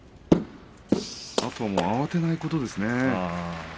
あとは慌てないことですね。